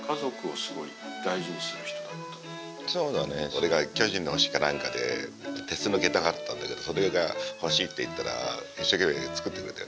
俺が「巨人の星」か何かで鉄の下駄があったんだけどそれが欲しいって言ったら一生懸命作ってくれたよ。